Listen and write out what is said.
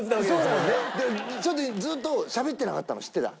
ずっとしゃべってなかったの知ってた？